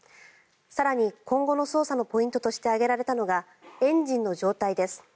更に今後の捜査のポイントとして挙げられたのがエンジンの状態です。